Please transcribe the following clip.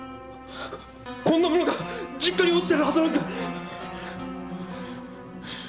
こんなものが実家に落ちてるはずなんか！